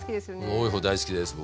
多い方大好きです僕。